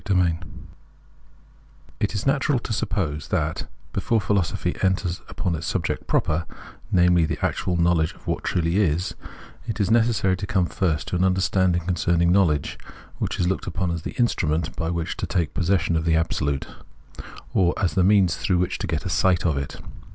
INTRODUCTION IT is natural to suppose that, before philosopliy enters upon its subject proper — namely, the actual knowledge of what truly is — it is necessary to come first to an understanding concerning knowledge, which is looked upon as the instrument by which to take possession of the Absolute, or as the means through which to get a sight of it.